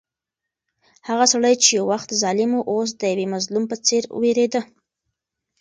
هغه سړی چې یو وخت ظالم و، اوس د یو مظلوم په څېر وېرېده.